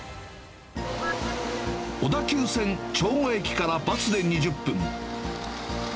小田急線長後駅からバスで２０分。